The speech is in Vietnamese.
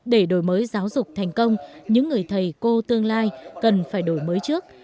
để đổi mới giáo dục thành công những người thầy cô tương lai cần phải đổi mới trước